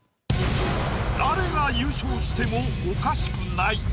誰が優勝してもおかしくない。